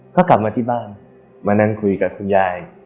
ก็กลับมาที่บ้านมานั่งคุยกับคุณยาย